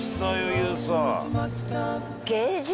ＹＯＵさん。